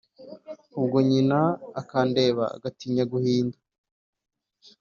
Ubwo nyina akandeba Agatinya guhinda